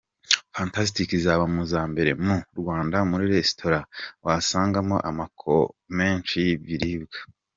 Fantastic iza mu za mbere mu Rwanda muri Resitora wasangamo amoko menshi y’ibiribwa.